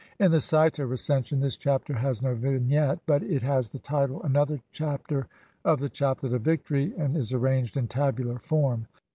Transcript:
In the Sa'ite Recension this Chapter has no vignette, but it has the title, "Another Chapter of the Chaplet of victory", and is arranged in tabular form.